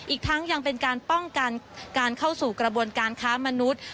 อีกทั้งยังเป็นการป้องกันการเข้าสู่กระบวนการค้ามนุษย์